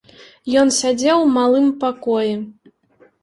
Ён сядзеў у малым пакоі.